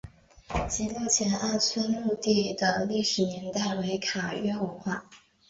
极乐前二村墓地的历史年代为卡约文化。